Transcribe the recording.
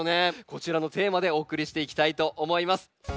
こちらのテーマでお送りしていきたいと思います。